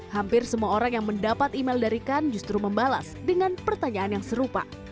hampir semua orang yang mendapat email dari kan justru membalas dengan pertanyaan yang serupa